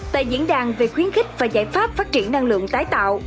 tại diễn đàn về khuyến khích và giải pháp phát triển năng lượng tái tạo